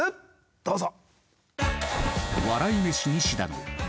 どうぞ。